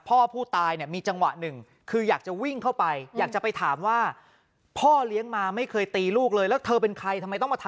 ดูหน้ามันอ๋อดูหน้าหน่อยดิเอ้ยนี่น่ะนี่นี่น่ะลูกกูยังไม่เคยตีเลยเอาขอบผมอ๋อ